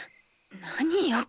何よ？